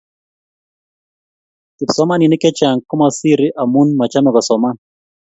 Kipsomanik chechang komasiri amu machome kosoman.